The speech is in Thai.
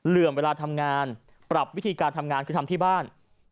เหลื่อมเวลาทำงานปรับวิธีการทำงานคือทำที่บ้าน